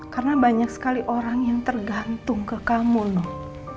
karena banyak sekali orang yang tergantung ke kamu nona